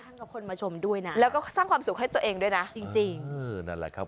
กับคนมาชมด้วยนะแล้วก็สร้างความสุขให้ตัวเองด้วยนะจริงจริงเออนั่นแหละครับ